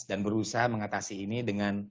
dan berusaha mengatasi ini dengan